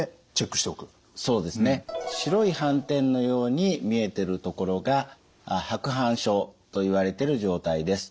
白い斑点のように見えてるところが白板症といわれてる状態です。